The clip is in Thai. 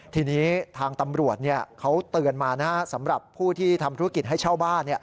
ทีนี้ทางตำรวจเขาเตือนมาสำหรับผู้ที่ทำธุรกิจให้เช่าบ้าน